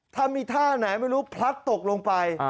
ถ้ามีท่าไหนไม่รู้พลัดตกลงไป